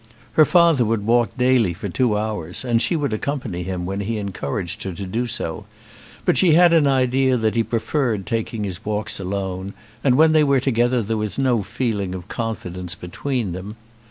Her father would walk daily for two hours, and she would accompany him when he encouraged her to do so; but she had an idea that he preferred taking his walks alone, and when they were together there was no feeling of confidence between them.